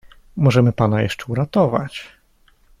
"Możemy pana jeszcze uratować."